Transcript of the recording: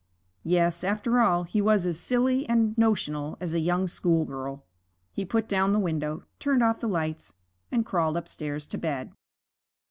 Yes, after all, he was as silly and notional as a young schoolgirl. He put down the window, turned off the lights, and crawled upstairs to bed.